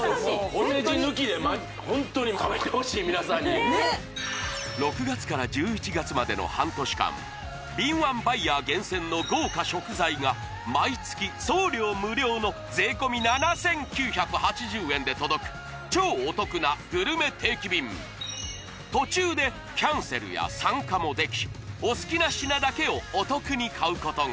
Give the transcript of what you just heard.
お世辞抜きでホントに食べてほしい皆さんに６月から１１月までの半年間敏腕バイヤー厳選の豪華食材が毎月送料無料ので届く超お得なグルメ定期便途中でキャンセルや参加もできお好きな品だけをお得に買うことが！